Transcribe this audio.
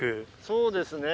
そうですね。